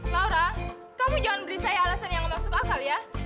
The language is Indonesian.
laura kamu jangan berisai alasan yang masuk akal ya